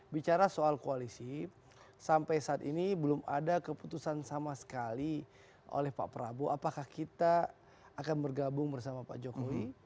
bicara soal koalisi sampai saat ini belum ada keputusan sama sekali oleh pak prabowo apakah kita akan bergabung bersama pak jokowi